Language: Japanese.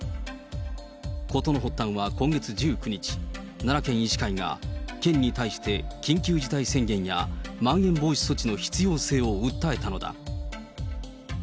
事の発端は今月１９日、奈良県医師会が、県に対して、緊急事態宣言やまん延防止措置の必要性を訴えたのだ。